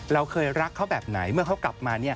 เราเคยรักเขาแบบไหนเมื่อกลับมา